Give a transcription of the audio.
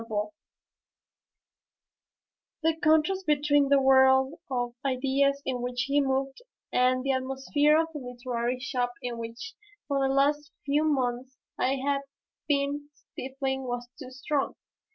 The contrast between the world of ideas in which he moved and the atmosphere of the literary shop in which for the last few months I had been stifling was too strong.